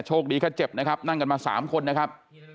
คดีแค่เจ็บนะครับนั่งกันมา๓คนนะครับ